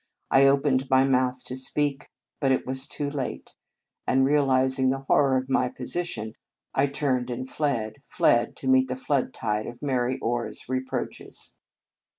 I opened my mouth to speak, but it was too late; and, realizing the horror of my position, I turned and 69 In Our Convent Days fled, fled to meet the flood tide of Mary Orr s reproaches.